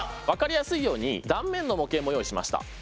分かりやすいように断面の模型も用意しました。